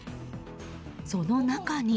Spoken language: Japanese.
その中に。